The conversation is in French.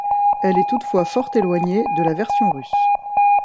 Elle est toutefois fort éloignée de la version russe.